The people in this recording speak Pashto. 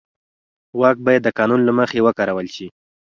واک باید د قانون له مخې وکارول شي.